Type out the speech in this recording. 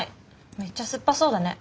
めっちゃ酸っぱそうだね。